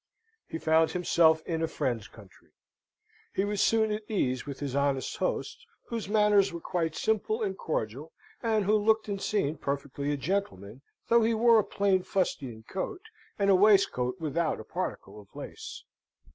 He found himself in a friend's country. He was soon at ease with his honest host, whose manners were quite simple and cordial, and who looked and seemed perfectly a gentleman, though he wore a plain fustian coat, and a waistcoat without a particle of lace.